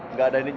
nggak ada ini